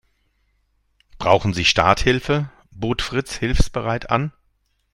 "Brauchen Sie Starthilfe?", bot Fritz hilfsbereit an.